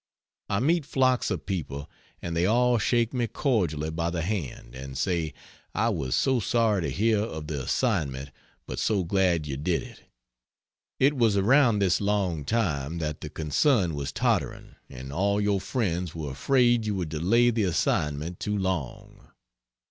I meet flocks of people, and they all shake me cordially by the hand and say "I was so sorry to hear of the assignment, but so glad you did it. It was around, this long time, that the concern was tottering, and all your friends were afraid you would delay the assignment too long."